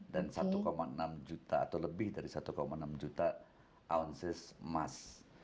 dan satu enam juta atau lebih dari satu enam juta ounces emas